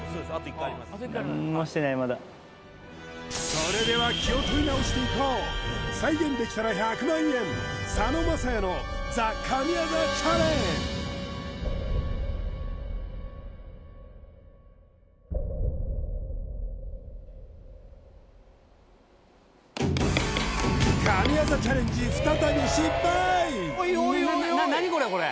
それでは気を取り直していこう再現できたら１００万円神業チャレンジ再び失敗おいおいな何これこれ